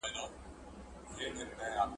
سياسي ګوندونه څنګه جوړيږي؟